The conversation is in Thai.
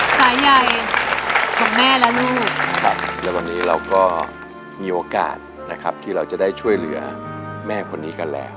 สายใหญ่ของแม่และลูกครับแล้ววันนี้เราก็มีโอกาสนะครับที่เราจะได้ช่วยเหลือแม่คนนี้กันแล้ว